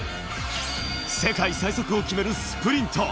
世界最速を決めるスプリント。